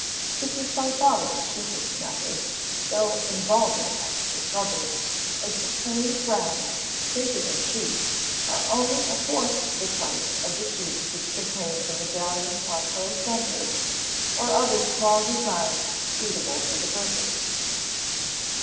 This is by far the cheapest method, though involving extra trouble, as the plain grounds printed in sheets are only a fourth the price of the sheets which contain the medallion Watteau centres or other small designs suitable for the purpose.